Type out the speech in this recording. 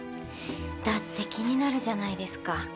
だって気になるじゃないですか。